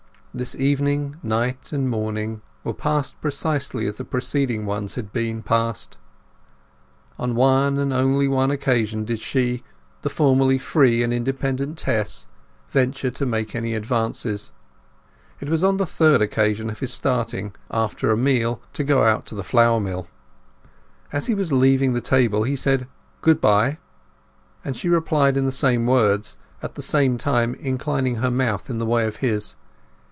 This evening, night, and morning were passed precisely as the preceding ones had been passed. On one, and only one, occasion did she—the formerly free and independent Tess—venture to make any advances. It was on the third occasion of his starting after a meal to go out to the flour mill. As he was leaving the table he said "Goodbye," and she replied in the same words, at the same time inclining her mouth in the way of his.